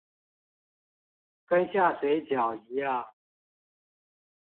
跟下水餃一樣